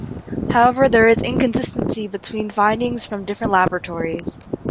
However, there is inconsistency between findings from different laboratories.